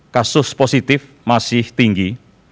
kasus positif masih tinggi